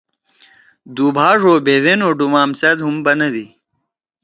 دُوبا ڙو بھیدین او ڈُومام سیت ہُم بنَدی۔